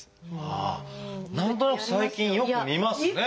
ああ何となく最近よく見ますね。